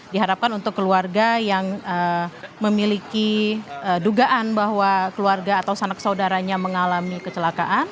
diharapkan untuk keluarga yang memiliki dugaan bahwa keluarga atau sanak saudaranya mengalami kecelakaan